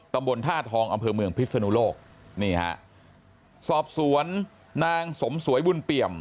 ตำบลท่าทองอำเภอเมืองพิศนุโลกนี่ฮะสอบสวนนางสมสวยบุญเปี่ยม